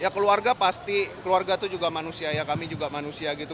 ya keluarga pasti keluarga itu juga manusia ya kami juga manusia gitu